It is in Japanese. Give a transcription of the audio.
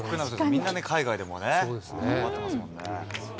みんな海外で頑張ってますもんね。